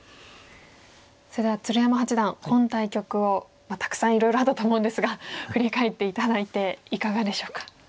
それでは鶴山八段今対局をまあたくさんいろいろあったと思うんですが振り返って頂いていかがでしょうか？